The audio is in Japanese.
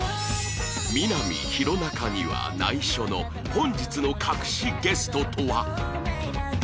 みな実弘中には内緒の本日の隠しゲストとは？